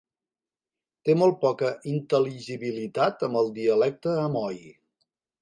Té molt poca intel·ligibilitat amb el dialecte amoi.